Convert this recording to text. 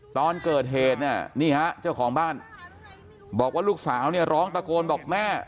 ตอนเกิดเหตุเนี่ยนี่ฮะเจ้าของบ้านบอกว่าลูกสาวเนี่ยร้องตะโกนบอกแม่